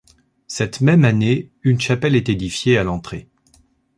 Cette même année une chapelle est édifiée à l'entrée.